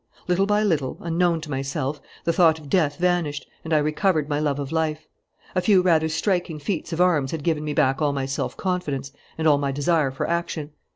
Little by little, unknown to myself, the thought of death vanished and I recovered my love of life. A few rather striking feats of arms had given me back all my self confidence and all my desire for action.